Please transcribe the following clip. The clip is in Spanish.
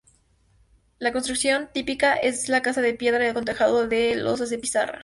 La construcción típica es la casa de piedra con tejado de losas de pizarra.